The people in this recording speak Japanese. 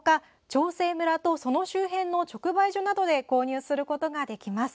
長生村とその周辺の直売所などで購入することができます。